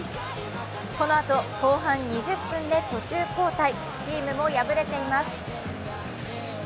このあと後半２０分で途中交代チームも敗れています。